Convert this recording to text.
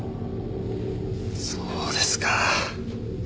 そうですか。